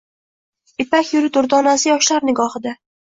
«Ipak yo‘li durdonasi» yoshlar nigohida